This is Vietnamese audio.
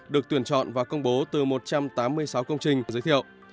được tuyển chọn và công bố từ một trăm tám mươi sáu công trình giới thiệu